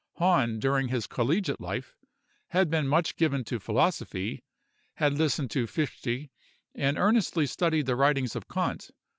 Hahn, during his collegiate life, had been much given to philosophy—had listened to Fichte, and earnestly studied the writings of Kant.